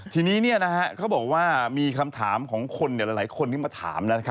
ทีนี้เขาบอกว่ามีคำถามของคนหลายคนที่มาถาม